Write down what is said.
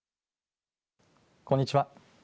こんにちは。